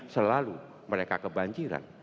selalu mereka kebanjiran